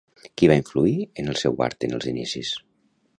Qui va influir en el seu art en els inicis?